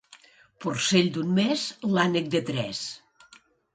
Porcell d'un mes, l'ànec de tres.